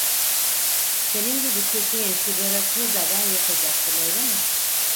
Senin gibi köpeğin sigarasını da ben yakacaktım öyle mi?